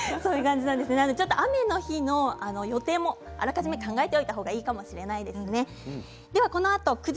雨の日の予定もあらかじめ考えておいた方がいいかもしれませんね。